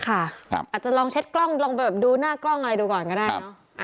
อาจจะลองเช็ดกล้องลองไปแบบดูหน้ากล้องอะไรดูก่อนก็ได้เนอะ